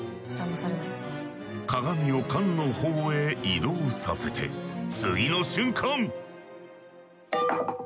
鏡を缶のほうへ移動させて次の瞬間。